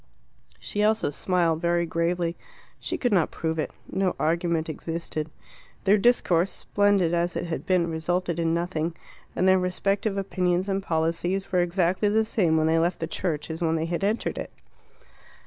She also smiled, very gravely. She could not prove it. No argument existed. Their discourse, splendid as it had been, resulted in nothing, and their respective opinions and policies were exactly the same when they left the church as when they had entered it.